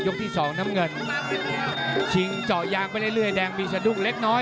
ที่สองน้ำเงินชิงเจาะยางไปเรื่อยแดงมีสะดุ้งเล็กน้อย